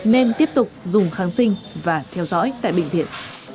nên tiếp tục dùng kháng sinh và theo dõi tại bệnh viện